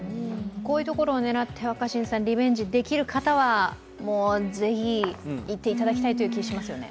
こういうところを狙って、リベンジできる方は是非、行っていただきたいという気しますよね。